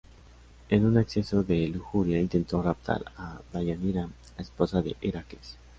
En un acceso de lujuria, intentó raptar a Deyanira, la esposa de Heracles.